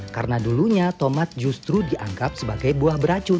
karena dulunya tomat justru dianggap sebagai buah beracun